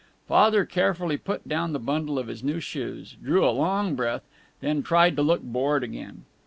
Father carefully put down the bundle of his new shoes, drew a long breath, then tried to look bored again.